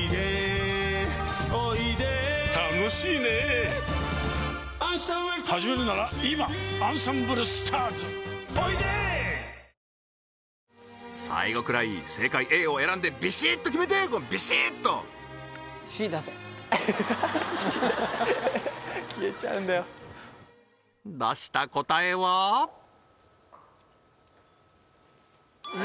ぷはーっ最後くらい正解Ａを選んでビシッと決めてビシッとははははっ「Ｃ出せ」消えちゃうんだよ出した答えは？うわうわ！